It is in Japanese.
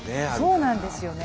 そうなんですよね。